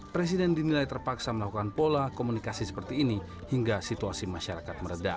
presiden dinilai terpaksa melakukan pola komunikasi seperti ini hingga situasi masyarakat meredah